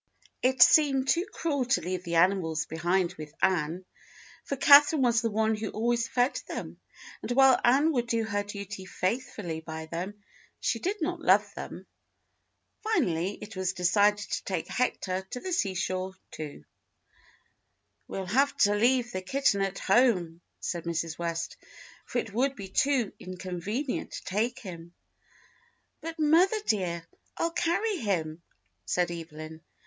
72 THE BLUE AUNT It seemed too cruel to leave the animals behind with Ann, for Catherine was the one who always fed them, and while Ann would do her duty faithfully by them she did not love them. Finally it was decided to take Hector to the seashore, too. "We'll have to leave the kitten at home," said Mrs. West, "for it would be too inconvenient to take him." "But, mother dear, I'll carry him," said Evelyn.